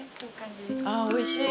あおいしい。